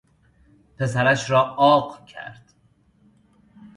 پسرش را عاق کرد.